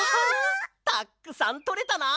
たくさんとれたな！